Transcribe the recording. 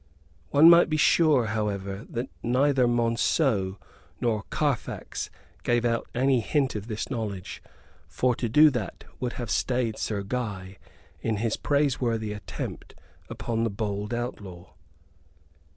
One might be sure, however, that neither Monceux nor Carfax gave out any hint of this knowledge, for to do that would have stayed Sir Guy in his praiseworthy attempt upon the bold outlaw.